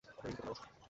রিংকু, তোমার ওষুধ।